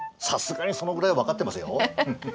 さすがにそのぐらい分かってますよ。